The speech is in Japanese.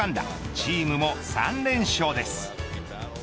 チームも３連勝です。